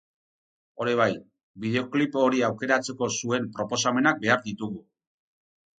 Hori bai, bideoklip hori aukeratzeko zuen proposamenak behar ditugu.